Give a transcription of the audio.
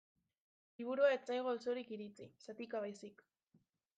Liburua ez zaigu osorik iritsi, zatika baizik.